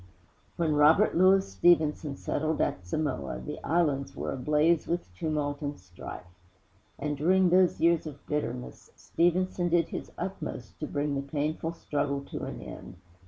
VII When Robert Louis Stevenson settled at Samoa, the islands were ablaze with tumult and strife. And, during those years of bitterness, Stevenson did his utmost to bring the painful struggle to an end.